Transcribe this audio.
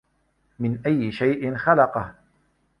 مِن أَيِّ شَيءٍ خَلَقَهُ